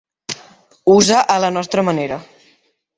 Usa a la nostra manera.